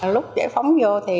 lúc giải phóng vô thì